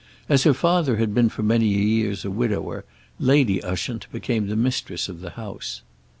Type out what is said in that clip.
As her father had been for many years a widower, Lady Ushant became the mistress of the house.